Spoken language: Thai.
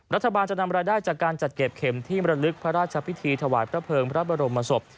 รัฐบาลจะนำรายได้จากการจัดเก็บเข็มที่มรลึกพระราชพิธีถวายพระเภิงพระบรมศพ